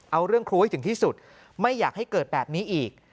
เอาเรื่องครูให้ถึงที่สุดไม่อยากให้เกิดแบบนี้อีก